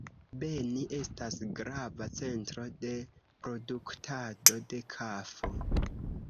Beni estas grava centro de produktado de kafo.